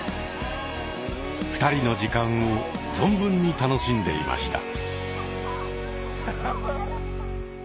２人の時間を存分に楽しんでいました。